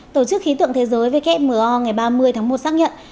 tổ chức khí tượng thế giới wmo ngày ba mươi tháng một xác nhận